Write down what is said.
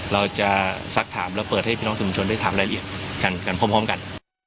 เราจะสักถามแล้วเปิดให้พี่น้องสื่อมวลชนได้ถามรายละเอียดกันพร้อมกัน